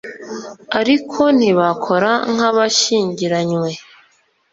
ariko ntibakora nk'abashyingiranywe